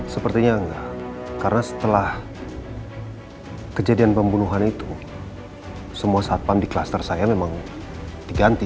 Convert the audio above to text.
sepertinya enggak karena setelah kejadian pembunuhan itu semua satpam di kluster saya memang diganti